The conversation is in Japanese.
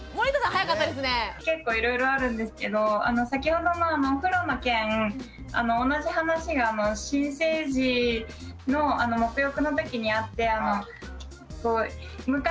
結構いろいろあるんですけど先ほどのお風呂の件同じ話が新生児のもく浴のときにあって。